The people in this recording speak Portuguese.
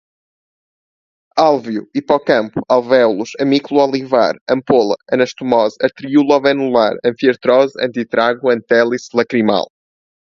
álveo, hipocampo, alvéolos, amículo olivar, ampola, anastomose arteríolovenular, anfiartrose, antitrago, antélice, lacrimal